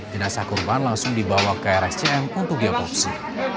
jenasa korban langsung dibawa ke rsjm untuk diopopsi